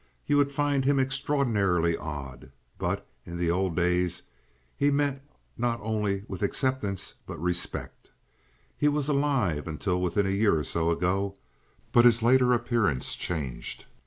You would find him extraordinarily odd, but in the old days he met not only with acceptance but respect. He was alive until within a year or so ago, but his later appearance changed.